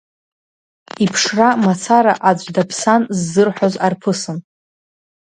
Иԥшра мацара аӡә даԥсан ззырҳәоз арԥысын.